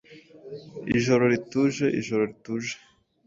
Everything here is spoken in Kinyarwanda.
Ijoro rituje, Ijoro rituje